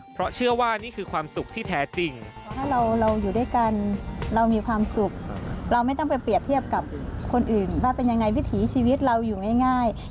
เพราะเชื่อว่านี่คือความสุขที่แท้จริง